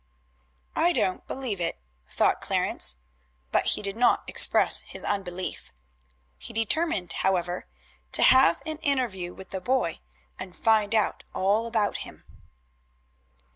"I don't believe it," thought Clarence, but he did not express his unbelief. He determined, however, to have an interview with the boy, and find out all about him.